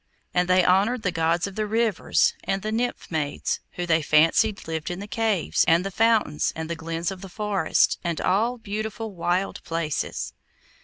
And they honoured the Gods of the Rivers, and the Nymph maids, who they fancied lived in the caves, and the fountains, and the glens of the forest, and all beautiful wild places.